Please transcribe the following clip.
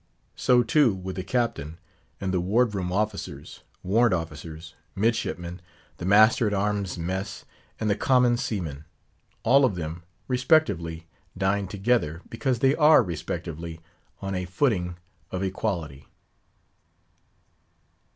So too with the Captain; and the Ward room officers, warrant officers, midshipmen, the master at arms' mess, and the common seamen;—all of them, respectively, dine together, because they are, respectively, on a footing of equality.